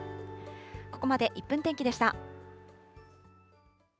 ここまで１分天気でした。